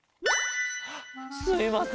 すいません。